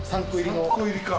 ３個入りか。